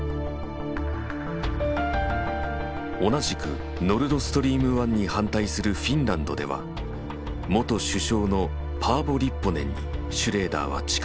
同じくノルドストリーム１に反対するフィンランドでは元首相のパーヴォ・リッポネンにシュレーダーは近づく。